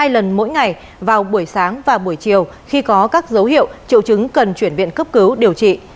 hai lần mỗi ngày vào buổi sáng và buổi chiều khi có các dấu hiệu triệu chứng cần chuyển viện cấp cứu điều trị